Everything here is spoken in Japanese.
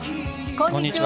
こんにちは。